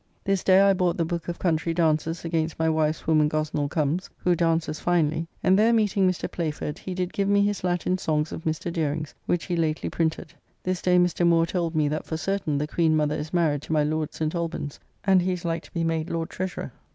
This day I bought the book of country dances against my wife's woman Gosnell comes, who dances finely; and there meeting Mr. Playford he did give me his Latin songs of Mr. Deering's, which he lately printed. This day Mr. Moore told me that for certain the Queen Mother is married to my Lord St. Albans, and he is like to be made Lord Treasurer.